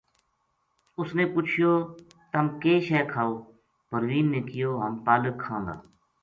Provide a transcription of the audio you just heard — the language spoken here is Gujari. اس نے پچھیو:”تم کے شے کھاؤ؟“ پروین نے کہیو: ” ہم پالک کھاں گا۔